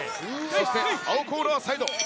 そして青コーナーサイド。